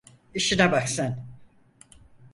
İşine bak sen.